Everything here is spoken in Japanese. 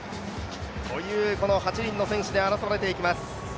この８人の選手で争われていきます。